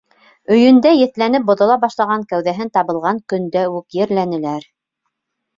Өйөндә еҫләнеп боҙола башлаған кәүҙәһен табылған көндә үк ерләнеләр.